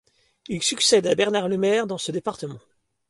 Il succède à Bernard Lemaire dans ce département.